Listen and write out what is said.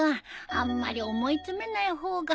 あんまり思い詰めない方が。